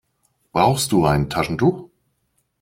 Brauchst du ein Taschentuch?